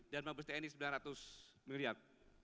dan mabes tni sembilan ratus miliar